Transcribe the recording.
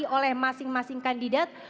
dari masing masing kandidat